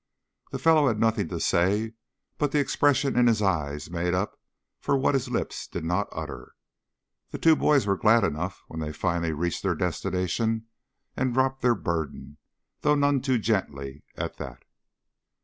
The fellow had nothing to say, but the expression in his eyes made up for what his lips did not utter. The two boys were glad enough when finally they reached their destination and dropped their burden, though none too gently at that.